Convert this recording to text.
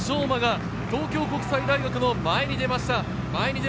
馬が東京国際大学の前に出ました。